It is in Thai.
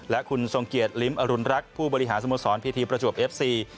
และคุณทรงเกียจลิ้มอรุณรักษ์ผู้บริหารสโมสรพีทีประจวบเอฟซี